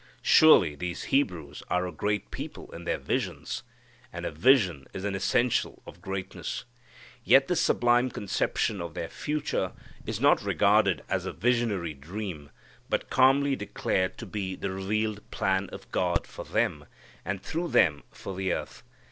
Surely these Hebrews are a great people in their visions. And a vision is an essential of greatness. Yet this sublime conception of their future is not regarded as a visionary dream, but calmly declared to be the revealed plan of God for them, and through them for the earth.